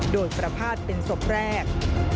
โดยประพาทเป็นศพแรก